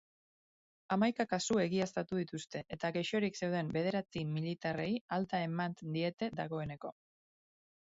Hamaika kasu egiaztatu dituzte eta gaixorik zeuden bederatzi militarrei alta eman diete dagoeneko.